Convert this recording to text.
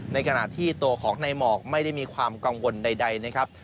ในขณะที่ตัวของนายหมอกไม่ได้มีความกังวลใดนะครับ